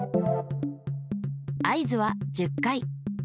合図は１０回。